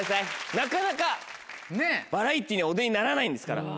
なかなかバラエティーにはお出にならないんですから。